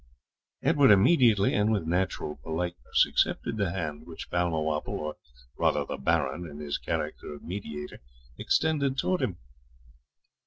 Edward immediately, and with natural politeness, accepted the hand which Balmawhapple, or rather the Baron in his character of mediator, extended towards him.